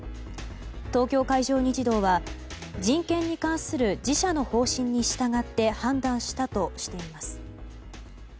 東京海上日動は人権に関する自社の方針に従って判断したとしています。